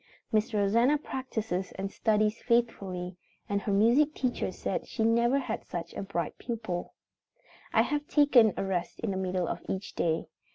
Miss Rosanna practices and studies faithfully, and her music teacher says she never had such a bright pupil. I have her take a rest in the middle of each day.